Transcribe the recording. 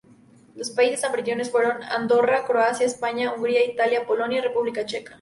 Los países anfitriones fueron Andorra, Croacia, España, Hungría, Italia, Polonia y República Checa.